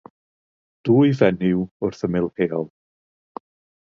Dwy fenyw wrth ymyl heol.